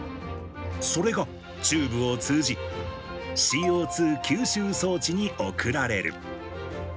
それがチューブを通じ、ＣＯ２吸収装置に送られる。